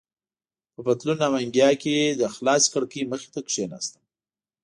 په پتلون او انګیا کې د خلاصې کړکۍ مخې ته کېناستم.